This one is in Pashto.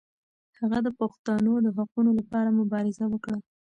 هغه د پښتنو د حقونو لپاره مبارزه وکړه.